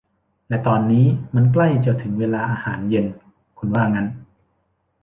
และตอนนี้มันใกล้จะถึงเวลาอาหารเย็น คุณว่างั้น ?